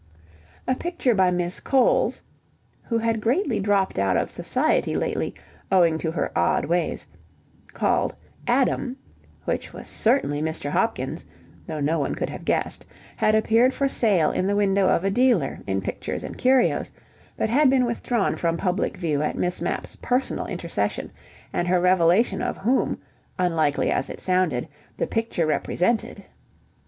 A picture by Miss Coles (who had greatly dropped out of society lately, owing to her odd ways) called "Adam", which was certainly Mr. Hopkins (though no one could have guessed) had appeared for sale in the window of a dealer in pictures and curios, but had been withdrawn from public view at Miss Mapp's personal intercession and her revelation of whom, unlikely as it sounded, the picture represented.